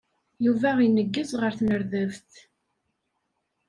Yuba ineggez ɣer tnerdabt.